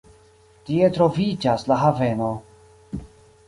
Tie troviĝas la haveno.